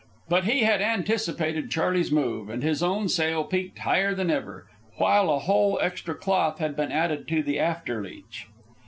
But he had anticipated Charley's move, and his own sail peaked higher than ever, while a whole extra cloth had been added to the after leech.